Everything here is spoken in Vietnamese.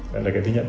đó là cái thứ nhất